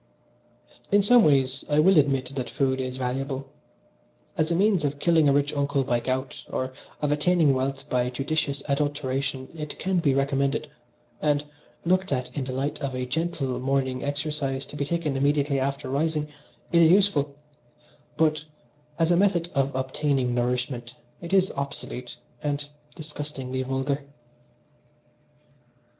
"In some ways I will admit that food is valuable. As a means of killing a rich uncle by gout, or of attaining wealth by judicious adulteration it can be recommended, and looked at in the light of a gentle morning exercise to be taken immediately after rising it is useful, but as a method of obtaining nourishment it is obsolete and disgustingly vulgar."